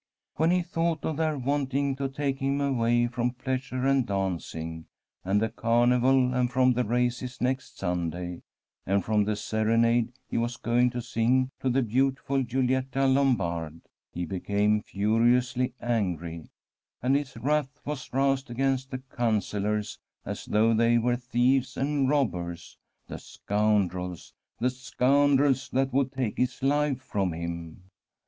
When he thought of their wanting to take him away from pleasure and dancing, and the carnival, and from the races next Sunday, and from the serenade he was going to sing to the beautiful Guilietta Lombardi, he became furiously angry, and his wrath was roused against the councillors as though they were thieves and robbers. The scoundrels — ^the scoundrels that would take his life from him